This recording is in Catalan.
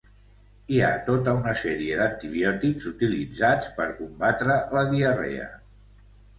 Hi ha tota una sèrie d'antibiòtics utilitzats per combatre la diarrea.